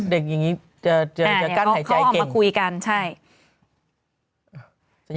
เด็กอย่างงี้จะกั้นหายใจเก่ง